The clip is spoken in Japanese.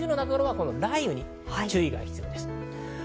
雷雨に注意が必要です。